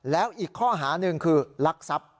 แล้วอีกข้อหาหนึ่งคือลักทรัพย์